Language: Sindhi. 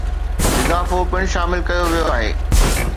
اضافو پڻ شامل ڪيو ويو آهي